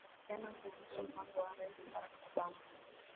wanakubaliana kuhusu mpango wa rais barack obama